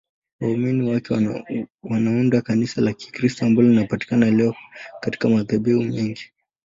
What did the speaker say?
Waumini wake wanaunda Kanisa la Kikristo ambalo linapatikana leo katika madhehebu mengi.